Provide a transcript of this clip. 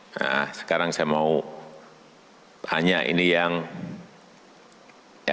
nah sekarang saya mau tanya ini yang perawat ada